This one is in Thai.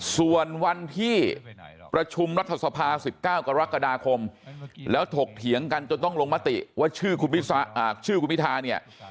ส่วนวันที่ประชุมรัฐสภา๑๙กรกฎาคมแล้วถกเถียงกันจนต้องลงมติว่าชื่อคุณพิธาเนี่ย